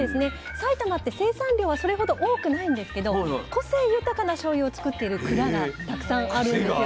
埼玉って生産量はそれほど多くないんですけど個性豊かなしょうゆを造っている蔵がたくさんあるんですよ。